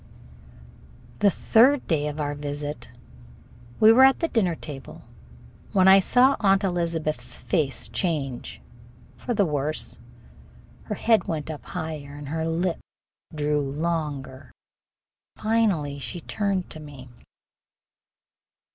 The third day of our visit, we were at the dinner table, when I saw Aunt Elizabeth's face change for the worse. Her head went up higher and her upper lip drew longer. Finally she turned to me.